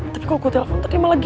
tapi kalau gue telfon tadi malah gr